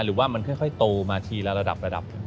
หรือว่ามันค่อยโตมาทีละระดับระดับ